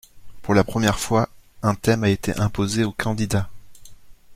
Pour la première fois, un thème a été imposé aux candidats.